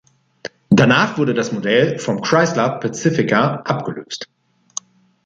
Danach wurde das Modell vom Chrysler Pacifica abgelöst.